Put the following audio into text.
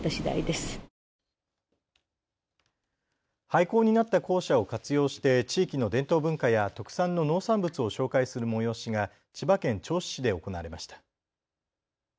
廃校になった校舎を活用して地域の伝統文化や特産の農産物を紹介する催しが千葉県銚子市で行われました。